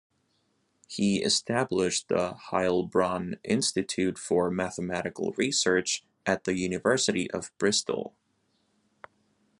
He established the Heilbronn Institute for Mathematical Research at the University of Bristol.